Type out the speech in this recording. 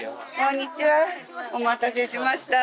お待たせしました。